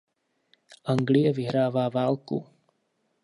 Anglie vyhrává válku.